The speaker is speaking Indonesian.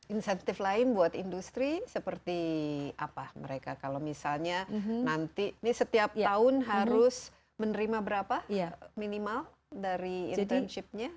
insentif lain buat industri seperti apa mereka kalau misalnya nanti ini setiap tahun harus menerima berapa minimal dari internship nya